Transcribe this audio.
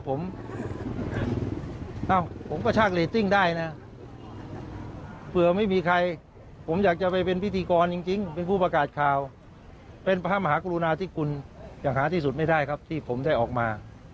กำลังมีโอกาสให้ผ่านมา